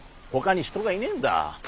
ほかに人がいねえんだ。